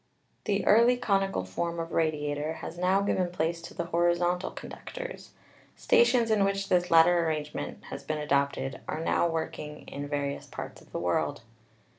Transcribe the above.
The early conical form of radiator has now given place to the horizontal conductors. Stations in which this latter arrangement has been adopted are now working in various parts of the world.